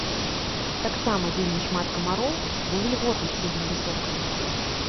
Таксама вельмі шмат камароў, бо вільготнасць вельмі высокая.